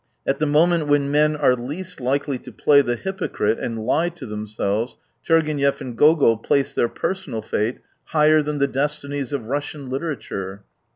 At the moment when men are least likely to play the hypocrite and lie to themselves Turgenev and Gogol placed their personal fate higher than the destinies of Russian literature.